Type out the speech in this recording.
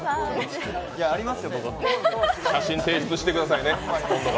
あとで写真提出してくださいね。